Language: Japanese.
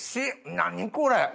何これ。